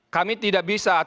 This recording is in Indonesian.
kami tidak bisa atau belum